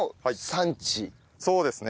そうですね。